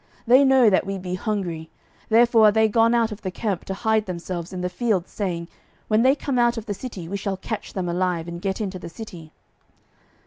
They know that we be hungry; therefore are they gone out of the camp to hide themselves in the field, saying, When they come out of the city, we shall catch them alive, and get into the city.